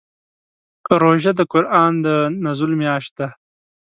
روژه د قران د نزول میاشت ده.